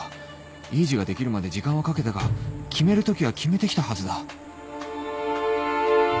いい字ができるまで時間はかけたが決めるときは決めてきたはずだ